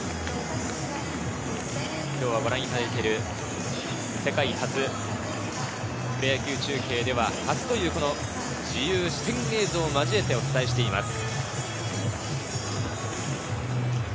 今日はご覧いただいている世界初、プロ野球中継では初という自由視点映像を交えてお伝えしています。